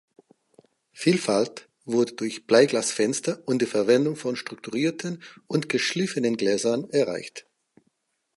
Vielfalt wurde durch Bleiglasfenster und die Verwendung von strukturierten und geschliffenen Gläsern erreicht.